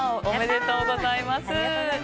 おめでとうございます。